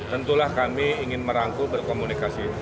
tentulah kami ingin merangkul berkomunikasi